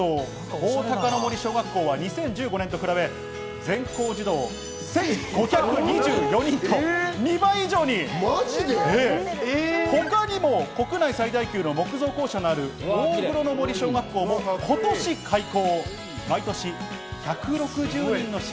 おおたかの森小学校は２０１５年と比べ、全校児童１５２４人と２倍以上に他にも国内最大級の木造校舎のある、おおぐろの森小学校も今年開校。